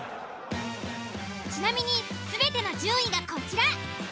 ちなみに全ての順位がこちら。